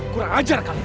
kurang ajar kalian